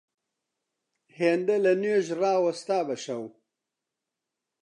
هێندە لە نوێژا ڕاوەستا بە شەو